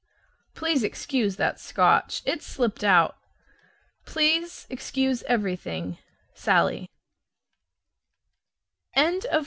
Please excuse that Scotch it slipped out. Please excuse everything. SALLIE. January 11.